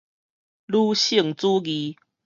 女性主義